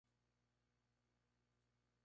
Alberga un museo y una tienda de regalos.